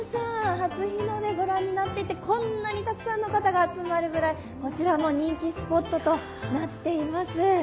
初日の出ご覧になっていてこんなにたくさんの方が集まるぐらいこちらも人気スポットとなっています。